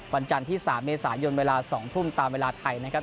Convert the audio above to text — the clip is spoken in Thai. วันจันทร์ที่๓เมษายนเวลา๒ทุ่มตามเวลาไทยนะครับ